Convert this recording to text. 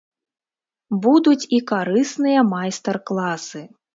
Будуць і карысныя майстар класы.